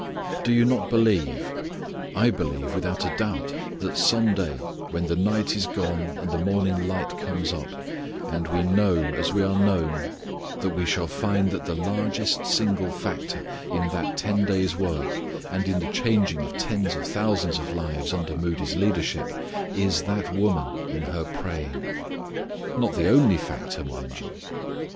Do you not believe I believe without a doubt, that some day when the night is gone and the morning light comes up, and we know as we are known, that we shall find that the largest single factor, in that ten days' work, and in the changing of tens of thousands of lives under Moody's leadership is that woman in her praying. Not the only factor, mind you.